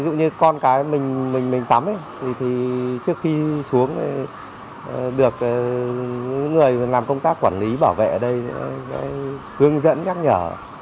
ví dụ như con cái mình tắm ấy thì trước khi xuống được những người làm công tác quản lý bảo vệ ở đây cương dẫn nhắc nhở